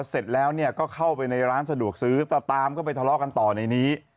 เสร็จแล้วก็เข้าไปในร้านสะดวกซื้อแต่ตามก็ไปทะเลาะกันต่อในนี้